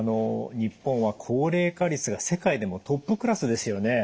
日本は高齢化率が世界でもトップクラスですよね。